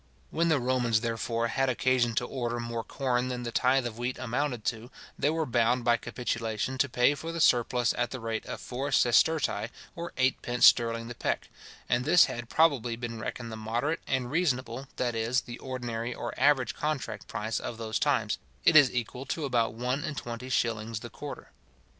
When the Romans, therefore, had occasion to order more corn than the tithe of wheat amounted to, they were bound by capitulation to pay for the surplus at the rate of four sestertii, or eightpence sterling the peck; and this had probably been reckoned the moderate and reasonable, that is, the ordinary or average contract price of those times; it is equal to about one and twenty shillings the quarter.